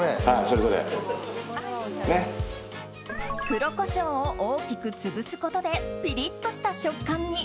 黒コショウを大きく潰すことでピリッとした食感に。